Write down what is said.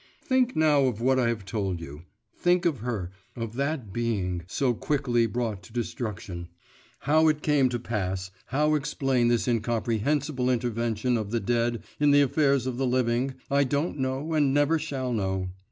Think now of what I have told you; think of her, of that being so quickly brought to destruction. How it came to pass, how explain this incomprehensible intervention of the dead in the affairs of the living, I don't know and never shall know.